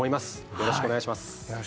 よろしくお願いします